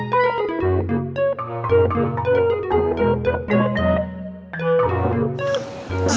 papi tuntut dia